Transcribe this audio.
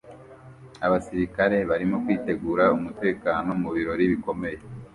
Abasirikare barimo kwitegura umutekano mu birori bikomeye